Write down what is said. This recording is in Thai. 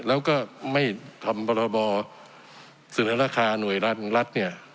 แล้วก็ไม่ทำพรบเสนอราคาหน่วยรัฐของรัฐเนี่ย